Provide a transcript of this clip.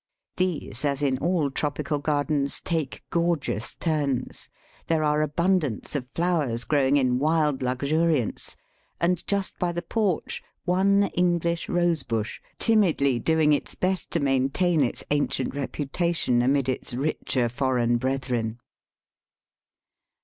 These, as in all tropical gardens, take gorgeous turns. There are abundance of flowers growing in wild luxuri ance, and just by the porch one English rose bush, timidly doing its best to maintain its ancient reputation amid its richer foreign brethren.